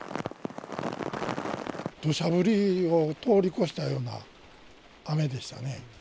どしゃ降りを通り越したような雨でしたね。